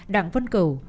đặng vân cầu